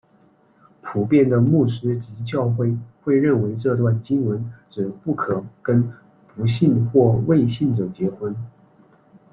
普遍的牧师及教会认为这段经文指不可跟不信或未信者结婚。